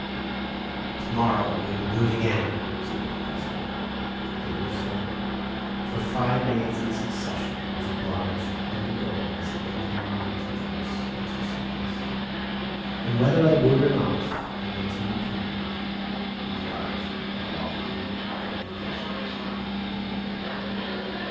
"To morrow we will do it again," said the Professor. And it was so; for five days in succession, I was obliged to undergo this anti vertiginous exercise; and whether I would or not, I made some improvement in the art of "lofty contemplations."